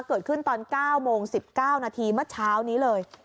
เกิดขึ้นตอน๙โมง๑๙นาทีเมื่อเช้านี้เลย